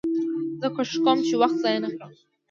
زه کوښښ کوم، چي وخت ضایع نه کړم.